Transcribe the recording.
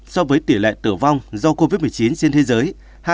so với tỷ lệ tử vong do covid một mươi chín trên thế giới hai một